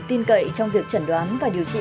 tin cậy trong việc chẩn đoán và điều trị